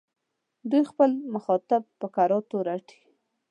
دوی خپل مخاطبان په کراتو رټي.